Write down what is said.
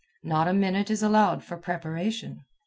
Not a minute is allowed for preparation.